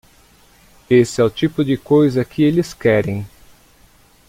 Esse é o tipo de coisa que eles querem.